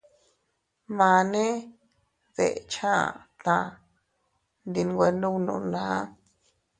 Mane deʼecha aʼa taa ndi nwe ndubnuna.